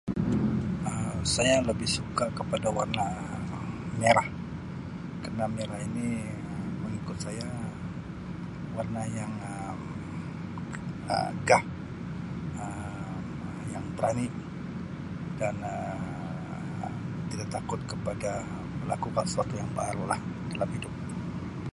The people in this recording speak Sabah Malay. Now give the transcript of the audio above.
Um Saya lebih suka kepada warna merah kerana merah ini mengikut saya warna yang Um gah Um yang berani dan Um tidak takut kepada melakukan sesuatu yang baru lah dalam hidup.